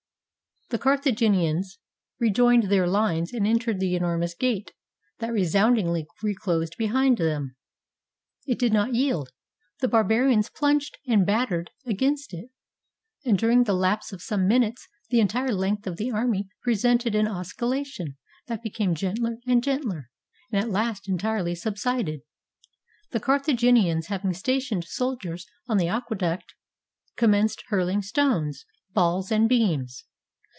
] The Carthaginians rejoined their lines and entered the enormous gate, that resoundingly reclosed behind them. It did not yield; the Barbarians plunged and battered against it; and during the lapse of some minutes the entire length of the army presented an oscillation that became gentler and gentler, and at last entirely subsided. The Carthaginians, having stationed soldiers on the aqueduct, commenced hurling stones, balls, and beams.